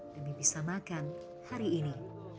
demi bisa makan hari ini